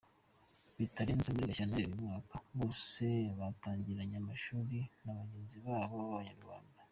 Bitarenze muri Gashyantare uyu mwaka bose batangiranye amashuri na bagenzi babo b’Abanyarwanda.